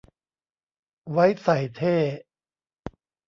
ไว้ใส่เท่